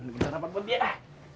bikin sarapan buat dia